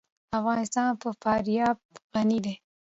افغانستان په فاریاب غني دی.